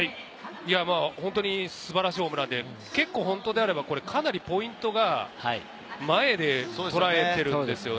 本当素晴らしホームランで、本当であれば、かなりポイントが前でとらえてるんですよね。